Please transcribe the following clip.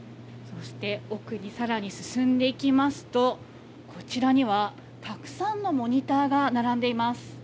そして奥にさらに進んでいきますと、こちらには、たくさんのモニターが並んでいます。